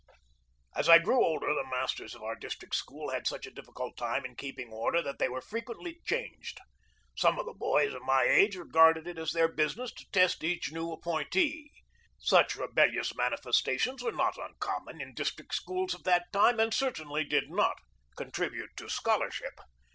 As I grew older the masters of our district school had such a difficult time in keeping order that they were frequently changed. Some of the boys of my age regarded it as their business to test each new appointee. Such rebellious manifestations were not uncommon in district schools of that time and cer tainly did not contribute to scholarship.